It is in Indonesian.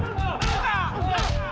ayo kesel sama dia